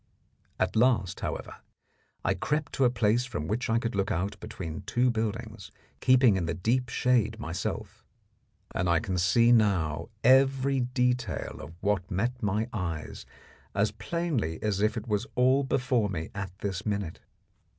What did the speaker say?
At last, however, I crept to a place from which I could look out between two buildings, keeping in the deep shade myself, and I can see now every detail of what met my eyes as plainly as if it was all before me at this minute.